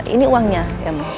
ini uangnya ya mas